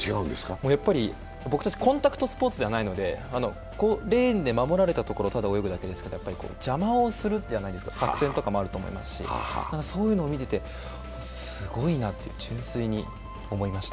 僕たちコンタクトスポーツではないので、レーンで守られたところをただ泳ぐだけですけど、邪魔をするじゃないですか、作戦とかもあると思いますし、そういうのを見てて、すごいなと純粋に思いました。